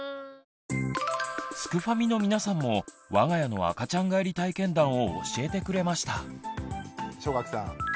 すくファミの皆さんも我が家の赤ちゃん返り体験談を教えてくれました。